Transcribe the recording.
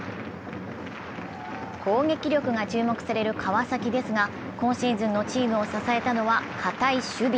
攻撃力が注目される川崎ですが今シーズンのチームを支えたのは堅い守備。